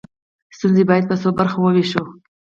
ستونزه باید په څو برخو وویشو.